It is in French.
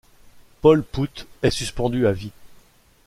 Paul Put est suspendu à vie.